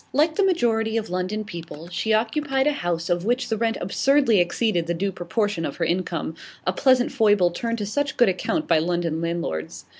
Like the majority of London people, she occupied a house of which the rent absurdly exceeded the due proportion of her income, a pleasant foible turned to such good account by London landlords.